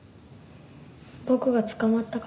僕が捕まったから。